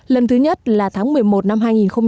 lần thứ nhất là tháng một mươi một năm hai nghìn một mươi sáu